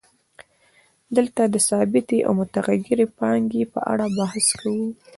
دلته د ثابتې او متغیرې پانګې په اړه بحث کوو